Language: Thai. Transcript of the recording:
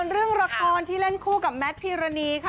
เรื่องละครที่เล่นคู่กับแมทพิรณีค่ะ